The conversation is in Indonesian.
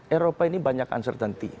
eropa ini banyak uncertainty